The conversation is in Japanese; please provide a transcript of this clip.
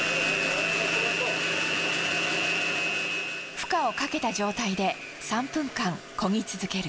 負荷をかけた状態で３分間こぎ続ける。